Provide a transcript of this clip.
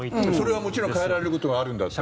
それはもちろん変えられることがあるんだったら。